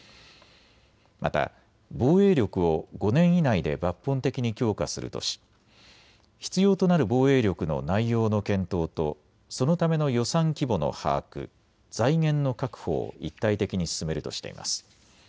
また防衛力を５年以内で抜本的に強化するとし必要となる防衛力の内容の検討とそのための予算規模の把握、財源の確保を一体的に進めるとしています。